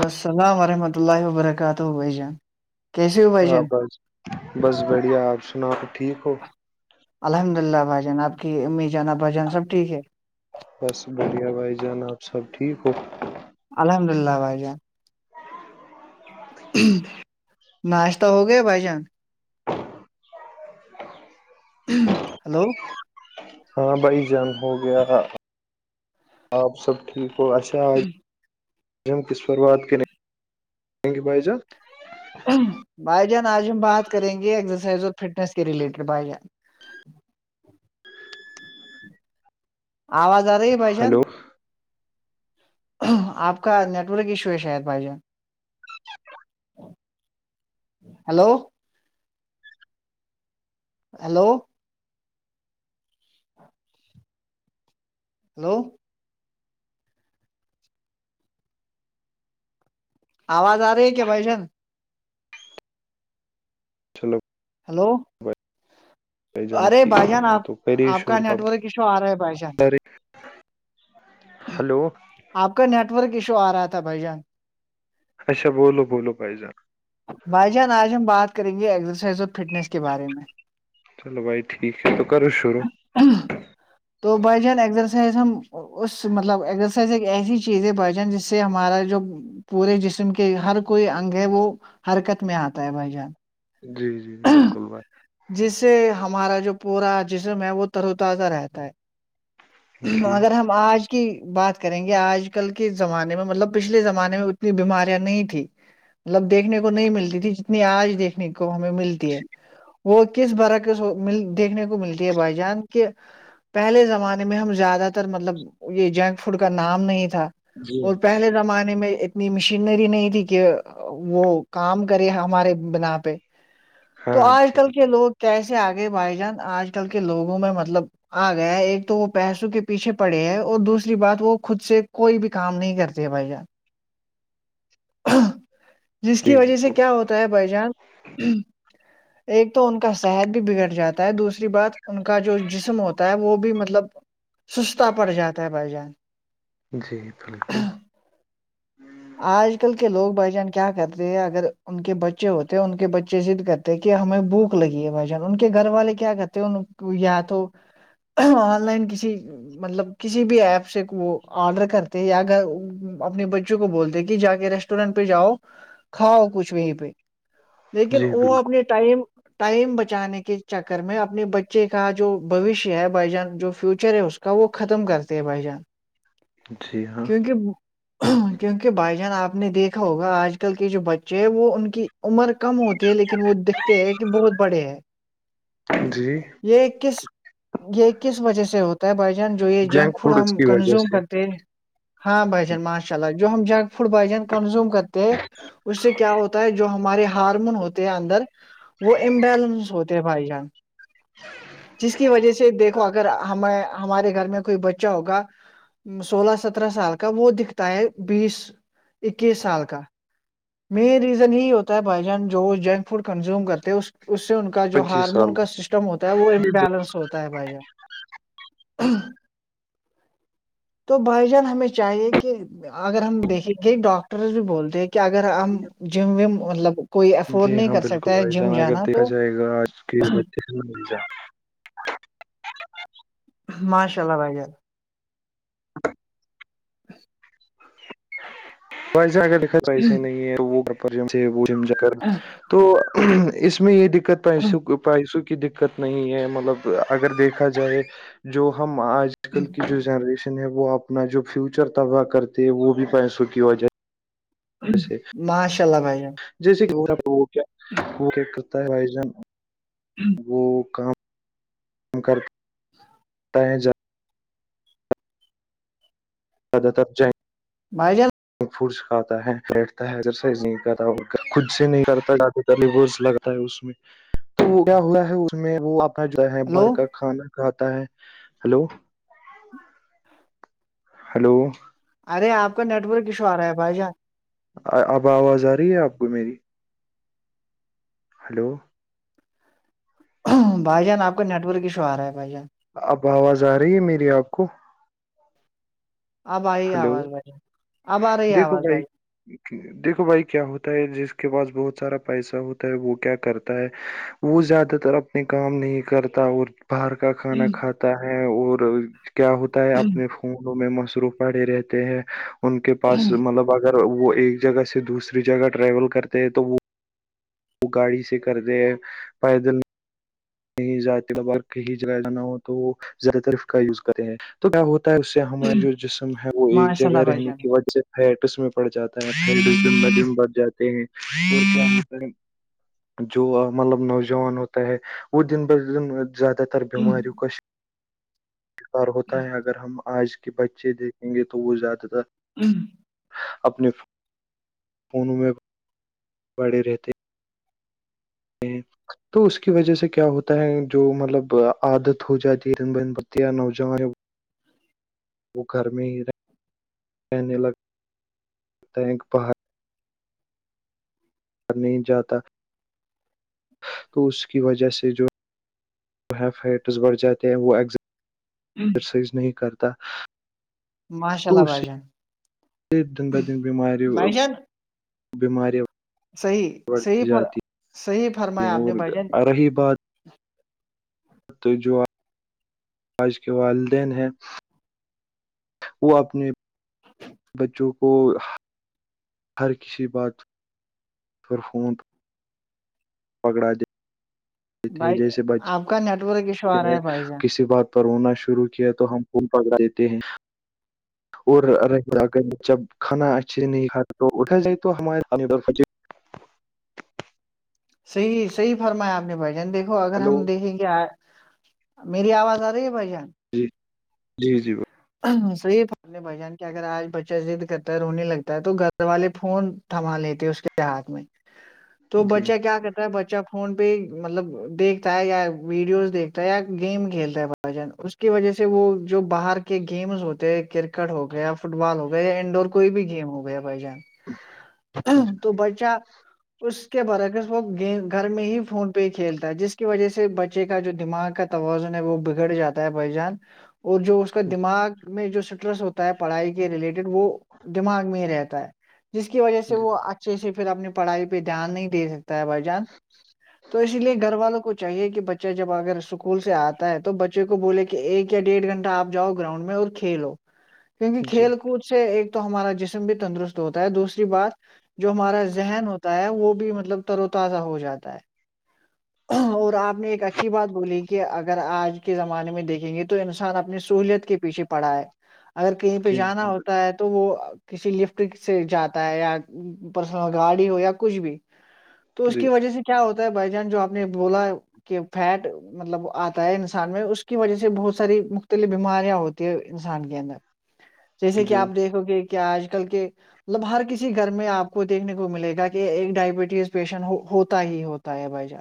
وسلام ورحمۃ اللہ وبرکاتہ بھائی جان کیسے ہو بھائی ہاں جان بس بس بڑھیا آپ سنا ٹھیک ہو الحمد للہ بھائیان آپ کی امی جانب بھائی جان سب ٹھیک ہے بس بڑھیا بھائی جانب سب ٹھیک ہو الحمد للہ بھائی ج ناشتہ ہو گیا بھائی جان ہلو ہاں بھائی جان ہو گیا آپ سب ٹھیک ک پر کرک بائی جان بھائی جان آج ہم بات کریں گے ایکسرسائز اور فٹنس کے ریلیٹڈ بھائی جان آواز آ رہی ہے بھشان ہلو آپ کا نیٹورک ایشو ہے شاید بھائی ج ہیلو ہیلو ہلو آواز آ رہی ہے کیا بائی جان چلو ہیلو جان ٹھیک جان آپ تو کر ش آپ کا پ نیٹورک ایشو آ رہا ہے بھائی جان ہلو آپ کا نیٹ ورک ایشو آ رہا تھا بھائی جان اچھا بولو بولو پائ جا بھائی جان آج ہم بات کریں گے ایکسرسائز اور فٹنس کے بارے میں چلو بھائی ٹھیک ہے تو کرو شروع تو بائی جان ایگزرسائز ہم اس مطلب ایگزرسائز ایک ایسی چیزیں پہچان جس سے ہمارا جو پورے جسم کے ہر کوئی انگ ہے وہ حرکت میں آتا ہے بھائی جان جی جی بالکل بھائی جس سے ہمارا جو پورا جسم ہے وہ تر و تازہ رہتا ہے جی اگر ہم ہم آج کی بات کریں گے آج کل کے زمانے میں مطلب پچھلے زمانے میں اتنی بیماریاں نہیں تھی مطلب دیکھنے کو نہیں ملتی تھی جتنی آج دیکھنے کو ہمیں ملتی ہے وہ کس برح کے دیکھنے کو ملتی ہے بھائی جان کے پہلے زمانے میں ہم زیادہ تر مطلب یہ جنک فوڈ کا نام نہیں تھا جی اور پہلے زمانے میں اتنی مشینری نہیں تھی کہ وہ کام کرے ہمارے بنا پہ تو ہاں آج جی کل بھائی، کے لوگ کیسے آگے بھائی جان آج کل کے لوگوں میں مطلب آ گیا ایک تو وہ پیسوں کے پیچھے پڑے ہے اور دوسری بات وہ خود سے کوئی بھی کام نہیں کرتا ر بائییا جس کی جی جی وجہ سے بولو۔ کیا ہوتا ہے بھائی جان ایک تو ان کا صحت بھی بگڑ جاتا ہے دوسری بات ان کا جو جسم ہوتا ہے وہ بھی مطلب سستا پڑ جاتا ہے بھائی جان جی بالکل آج کل کے لوگ بائی جان کیا کرتے ہیں اگر ان کے بچے ہوتے ہیں ان کے بچے سد کرتے کہ ہمیں بھوک لگی ہے بھ جان ان کے گھر والے کے کیا کرتے اننوں کو یا تو آن لائن کسی مطلب کسی بھی ایپ سے وہ آرڈر کرتے یا اگر اپنے بچوں کو بولتے کہ جا کے ریسٹورینٹ پہ جاؤ کھاؤ کچھ وہیں پہ لیکن جی وہ بالکل اپنے ٹائم ٹائم بچانے کے چکر میں اپنے بچے کا جو بوشیہ ہے بائی جان جو فیوچر ہے اس کو کا وہ ختم کرتے ہیں بھائی جان وو کیونکہ کیونکہ بھائی جان آپ نے دیکھا ہوگا آج آج کل کے جو بچے ہیں وہ ان کی عمر کم ہوتی ہے لیکن وہ دیکھتے ہے کہ بہت بڑے ہیں جی یہ کس یہ کس وجہ سے ہوتا ہے بھائی جوے جنک فوڈ آم اس کی وجہ کنزم سے کرتے ہاں بھائی جان ماشاء اللہ جو ہم جنک فڈ بھائی جن کنزیوم کرتے ہیں اس سے کیا ہوتا ہے جو ہمارے ہارمون ہوتے ہیں اندر وہ ابیلنس ہوتے بھائی جان جس کی وجہ سے دیکھ اگر ہمیں ہمارے گھر میں کوئی بچہ ہوگا سولہ سترہ سال کا وہ دکھتا ہے بیس اکیس سال کا مین ریزن ہی ہوتا ہے بائی چانس جو جنک فوڈ کنزیوم کرتے ہیں سے کا جو پچیس ہارمون سال کا سسٹم ہوتا ہے وہ جی امبلنس ہوتا ہے بھائی جا [inaudible] تو بھائی جان ہمیں چاہیے کہ اگر ہم دیکھے گ ڈاکٹر بھی بولتے کہہ اگر ہم جم وم مطلب کوئی افورڈ جی نہیں ہاں کر بالکل سکتا ہے بھائی جم جان اگر جانا دیکھا تو جائے گا آج کے ب مل جائے ماشاء اللہ بھائی جان [inaudible] [inaudible] ویسا کر لکھا ویسے ہی نہیں ہے وہ وہ ج ج تو اس میں یہ دقت تو ای پیسوں کی دقت نہیں ہے مطلب اگر دیکھا جائے جو ہم آج کل کی جو جنریشن ہے وہ آپ اپنا جو فیوچر تباہ کرتے وہ بھی پیسوں کی وجہ سے ماشاء اللہ بھائیان جیسے کہ گا وہ کیا وہ کیا کرتا ہے بھائی جان وہ [inaudible] کام [inaudible] [inaudible] تد تب جائ [inaudible] ف کھاتا ہے بیٹھتارائز خود سے نہیں کرتا لگتا ہے اس میں تو وہ کیا ہوا ہے اس میں وہ چتا ہے ہلو باہر کا کھانا کھاتا ہے ہلو ہلو ارے آپ کا نیٹ ورک ایشو آ رہا ہے بھائی جان اب آواز آ رہی ہے آپ کو میری ہلو بھائی جان آپ کا نیٹ ورک ایشو آ رہا ہے بھائی جان اب آواز آ رہی ہے میری آپ کو آبھائی ہلو آواز بھائی آبارے ہی دیکھو آواز بھائی [inaudible] دیکھو بھائی کیا ہوتا ہے جس کے پاس بہت سارا پیسہ ہوتا ہے وہ کیا کرتا ہے وہ زیادہ تر اپنے کام نہیں کرتا اور باہر کا کھانا جان۔ کھاتا ہے اور کیا ہوتا ہے اپنے فونوں میں مصروف پڑے رہتے ہیں ان کے پاس مطلب اگر وہ ایک جگہ سے دوسری جگہ ٹریول کرتے ہیں تو وہ وہ گاڑی سے کر د ہیں پیدل کہیں وبا ہی جگہ جانا ہو تو وہ زیادہ ترف کا یوز کرتے ہیں تو کیا ہوتا ہے اس سے ہمارا جو جسم ہے وہ ایک ماشاء جگہ اللہ بھائی رہنے جان کی وج سے پٹس میں پڑ جاتا ہےم جم بد جاتے ہیں اور کیا ہوتا ہے جو مطلب نوجوان ہوتا ہے وہ دن بدن زیادہ تر بیماریوں کا ار ہوتا ہے اگر ہم آج کے بچے دیکھیں گے تو وہ زیادہ تر [inaudible] اپنے فونوں میں بڑی رہتے [inaudible] تو اس کی وجہ سے کیا ہوتا ہے جو مطلب عادت ہو جاتی ہےن بہن بتیاں نوجوان [inaudible] وہ گھر میں ہی رہ رہنے لگ ٹینک باہر نہیں جاتا تو اس کی وجہ سے جوائٹس بڑھ جاتے ہیں وہ ایگز جوں رسائز نہیں کرتا ماشاء تو اللہ اس بھائی جان دن بت دن بیماریوں بھائی جان بیماری صحیح صحی فر صحیح ہیں فرمایا آپ نے بھائی جان اور رہی بات تو جو آ آج کے والدین ہیں وہ اپنے بچوں کو ہر کسی بات پرھر فون پکڑا دیتے تھے بھائی جیسے آپ کا نیٹ ورک ایشو بچے آ نے رہا ہے بھائی جان کسی بات پر ہونا شروع کیا تو ہم خون پکڑا دیتے ہیں اور رہ جب کھانا اچھے سے نہیں کھا تو اٹھا جائے تو ہمارے صحیح صحیح فرمایا آپ نے بھائی جان دیکھو اگر ہلو ہم دیکھیں گے میری آواز آ رہی ہے بھائی جان جی جی جی وہ ی بھ جان کے اگر آج بچہ ضد کرتا ہے رونے لگتا ہے تو گھر والے فون تھما لیتے اس کے ہاتھ میں تو جی جی بچہ کیا کرتا ا بچہ فون پہ مطلب دیکھتا ہے یا ویڈیوز دیکھتا ہے یا گیم کھیلتا ہے ب بجن اس کی وجہ سے وہ جو باہر کے گیمز ہوتے ہیں کرکٹ ہو گیایا فٹ بال ہو گیا یا انڈور کوئی بھی گیم ہو گیا بھائی جان جی تو بچہ اس کے برعکر وہ گیم گھر میں ہی فون پہ ہی کھیلتا ہے جس کی وجہ سے بچے کا جو دماغ کا توازن ہے وہ بگڑ جاتا ہے بھائی جان اور جو اس کا دماغ میں جو اسٹریس ہوتا ہے پڑھائی کے ریلیٹڈ وہ دماغ میں ہی رہتا ہے جس کی وجہ سے وہ اچھے سے پھر اپنی پڑھائی پہ دھیان نہیں دے سکتے ہے بھائی جان تو اسی لیے گھر والوں کوچ چاہیے کہ بچہ جب اگر اسکول سے آتا ہے تو بچے کو بولے کہ ایک یا ڈیڑھ گھنٹہ آپ جاؤ گراؤنڈ میں اور کھیلو کیونکہ جی جی کھیل کوچ سے ایک تو ہمارا جسم بھی تندرست ہوتا ہے دوسری بات جو ہمارا ذہن ہوتا ہے وہ بھی مطلب تر و تازہ ہو جاتا ہے [unintelligible] اور آپ نے ایک اچھی بات بولی کہ اگر آج کے زمانے میں دیکھیں گے تو انسان اپنے سہولت کے پیچھے پڑا ہے اگر کہیں پہ جانا ہوتا ہے تو وہ کسی لفٹ سے جاتا ہے یا پرسنل گاڑی ہو یا کچھ بھی تو اس کی وجہ سے کیا ہوتا ہے بھائی جان جو آپ نے بولا ہے کہ فیٹ مطلب آتا ہے انسان میں اس کی وجہ سے بہت ساری ختلف بیماریاں ہوتی ہے انسان کے اندر جیسے کہ جی آپ دیکھو گے کیا آج کل کے مطلب ہر کسی گھر میں آپ کو دیکھنے کو ملے گا کہ ایک ڈائبٹیز پیشنٹ ہوتا ہی ہوتا دیں بجا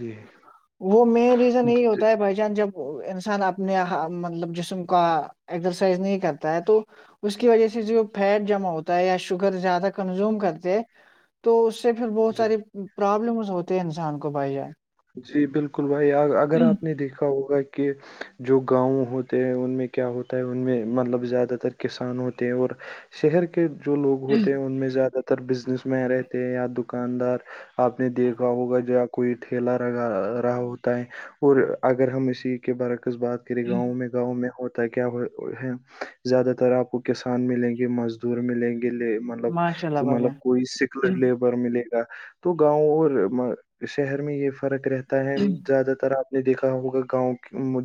جی وہ مین ریزن یہی جی ہوتا ہے بائی چان جب انسان اپنے مطلب جسم کا ایکسرسائز نہیں کرتا ہے تو اس کی وجہ سے جو فیٹ جمع ہوتا ہے یا شوگر زیادہ کنزوم کرتے ہیں تو اس سے پھر بہت جی ساری پرابلمس ہوتے ہیں انسان کو بھائی جان جی بالکل بھائی اگر آپ نے دیکھا ہوگا کہ جو گاؤں ہوتے ہیں ان میں کیا ہوتا ہے ان میں مطلب زیادہ تر کسان ہوتے ہیں اور شہر کے جو لوگ ہوتے ہیں ان میں زیادہ اتر بزنس مین رہتے ہیں یا دکاندار آپ نے دیکھا ہوگا یا کوئی کھیلا رہگا رہا ہوتا ہے اور اگر ہم اسی کے برعکس بات کریں گاؤں میں گاؤں میں ہوتا کیا ہے زیادہ تر آپ کو کسان ملیں گے مزدور ملیں گے گے ماشاء اللہ مطلب بھائی مطلب جان کوئی سکھ لگ لے ملے گا تو گاؤں اور شہر میں یہ فرق رہتا ہے زیادہ تر آپ نے دیکھا ہوگا گاؤں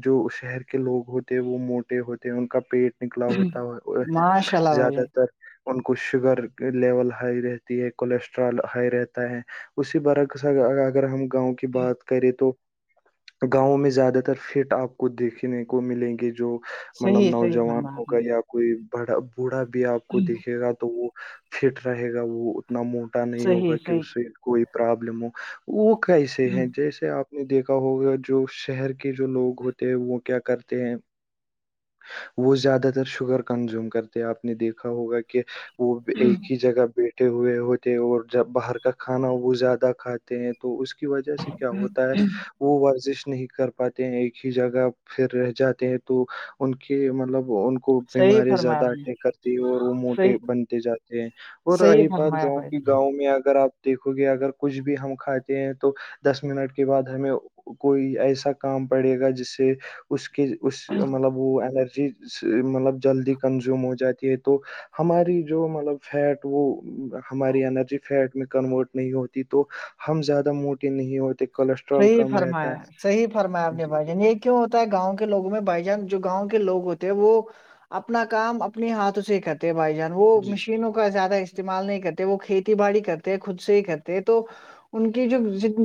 جو شہر کے لوگ ہوتے وہ موٹے ہوتے ہیں ان کا پیٹ نکلا ہوتا ہے وہ ہے ماشاء اللہ بھائی زیادہ جان تر ان کو شوگر لیول ہائی رہتی ہے کولیسٹرول ہائی رہتا ہے اسی برک اگر ہم گاؤں کی بات کریں تو گاؤں میں زیادہ تر فٹ آپ کو دیکھنے کو ملیں گے جو مطلب صحیح صحیح نوجوان فرمایا آپ ہوگا نے یا کوئی بڑا بوڑھا بھی آپ کو دیکھے گا تو وہ فٹ رہے گا وہ اتنا موٹا نہیں صحیح ہوگا کہ اس صحیح سے کوئی پرابلم ہو وہ کیسے ہیں جیسے آپ دیکھا ہوگا جو شہر کے جو لوگ ہوتے ہیں وہ کیا کرتے ہیں وہ زیادہ تر شوگر کنزیوم کرتے آپ نے دیکھا ہوگا کہ وہ ایک ہی جگہ بیٹھے ہوئے ہوتے اور جب باہر کا کھانا وہ زیادہ کھاتے ہیں تو اس کی وجہ سے کیا ہوتا ہے وہ ورزش نہیں کر پاتے ہیں ایک ہی جگہ پھر رہ جاتے ہیں تو ان کے مطلب ان کو صحیح بیمارییا فرمایا زیادہ آپ نے اٹیک کرتی ہے اور وہ صحیح موٹے بنتے جاتے ہیں اور صحیح رہی بات فرمایا گاؤں بھائی کی گاؤں میں اگر آپیکھو گے اگر کچھ بھی ہم کھات ہیں تو دس منٹ کے بعد ہمیں کوئی ایسا کام پڑے گا جس سے اس کے اس مطلب وہ انرجی مطلب جلدی کنزیوم ہو جاتی ہے تو ہماری جو مطلب فیٹ وہ ہماری انرجی فیٹ میں کنورٹ نہیں ہوتی تو ہم زیادہ موٹے نہیں ہوتے کولیسٹرول صحیح کم رہتا فرمایا ہے صحی فرمایا آپ نے جی بھائی جنی ایک کیا ہوتا ہے گاؤں کے لووں میں بھائی جان جو گاؤں کے لو ہوتے ہیں وہ اپنا کام اپنے ہاتھوں سے کرتے بھائی جان وہ جی مشینوں کا زیادہ استعمال نہیں کرتے وہ کھیتی باڑی کرتے ہیں خود سے ہی کرتے ہیں تو ان کی جو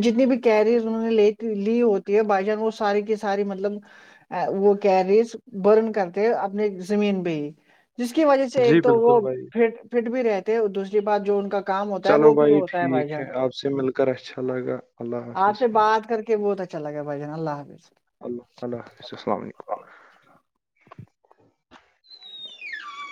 جتنی بھی کیریز انہوں نے لی ہوتی ہے بائی جان وہ ساری کی ساری مطلب وہ کیریز برن کرتے اپنی زمین پہ ہی جس کی وجہ سے جی ایک تو وہ بالکل بھائی فٹ فٹ بھی رہتےے اور دوسری بات جو ان کا کام ہوتا ہے وہ بھی ہوتا ہے بھائی جان سمل کراچھا لگا اللہ آپ سے حافظ بات کر کے بہت اچھا لگا بھائی جان اللہ حافظ اللہ اللہ حافظ السلام علیکم